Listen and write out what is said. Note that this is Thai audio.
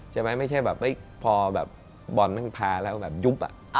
ใช่ไหมไม่ใช่แบบพอบอลนั้นพาแล้วแบบยุบอะ